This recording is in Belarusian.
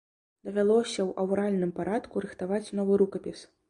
Давялося ў аўральным парадку рыхтаваць новы рукапіс.